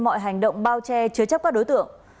mọi hành động bao che chứa chấp các đối tượng